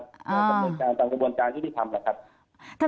ตามกระบวนการตามกระบวนการช่วยพิพันธุ์แหละครับ